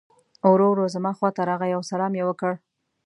ورو ورو زما خواته راغی او سلام یې وکړ.